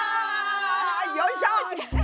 よいしょ！